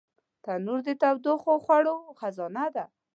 تنور د تودو خوړو خزانه ده